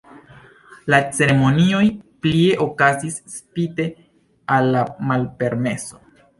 La ceremonioj plie okazis spite al la malpermeso.